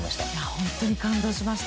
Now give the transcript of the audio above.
本当に感動しました。